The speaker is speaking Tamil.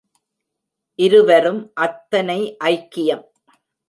இருவரும் அத்தனை ஐக்கியம்!